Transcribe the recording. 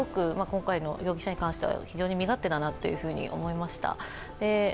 今回の容疑者に関しては非常に身勝手だなと思いました。